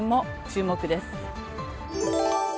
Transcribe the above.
注目です。